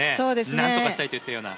なんとかしたいというような。